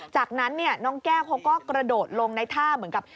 จากนั้นน้องแก้วเขาก็กระโดดลงในท่าเหมือนกับ